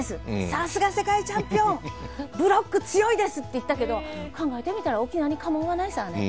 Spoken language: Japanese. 「さすが世界チャンピオン！ブロック強いです！」って言ったけど考えてみたら沖縄に家紋はないさあね。